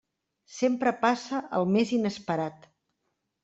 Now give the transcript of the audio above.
Sempre passa el més inesperat.